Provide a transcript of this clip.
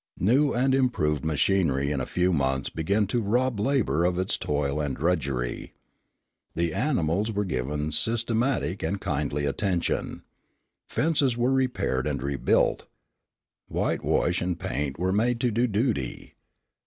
New and improved machinery in a few months began to rob labour of its toil and drudgery. The animals were given systematic and kindly attention. Fences were repaired and rebuilt. Whitewash and paint were made to do duty.